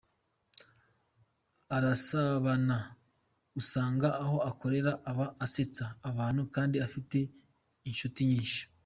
Arasabana, usanga aho akorera aba asetsa abantu kandi afite inshuti nyinshi.